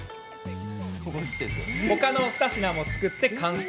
他の２品も作って、完成。